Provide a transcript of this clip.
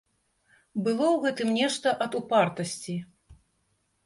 Было ў гэтым нешта ад упартасці.